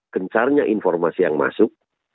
kencarnya informasi yang masuk